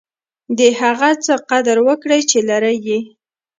د هغه څه قدر وکړئ، چي لرى يې.